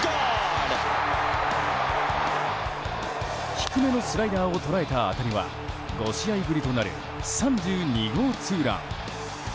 低めのスライダーを捉えた当たりは５試合ぶりとなる３２号ツーラン。